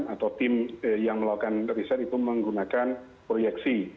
atau tim yang melakukan riset itu menggunakan proyeksi